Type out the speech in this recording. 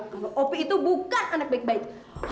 kalau opi itu bukan anak baik baik